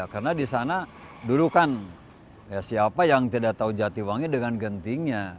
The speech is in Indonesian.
karena di sana dulu kan siapa yang tidak tahu jatiwangi dengan gentingnya